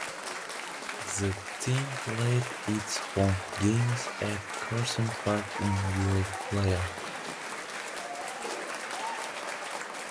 The team played its home games at Carson Park in Eau Claire.